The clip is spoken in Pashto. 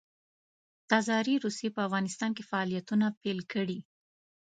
تزاري روسیې په افغانستان کې فعالیتونه پیل کړي.